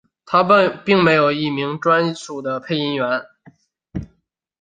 它并没有一名专属的配音员。